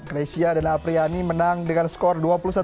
greysia dan apriyani menang dengan skor dua puluh satu